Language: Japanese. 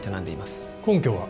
根拠は？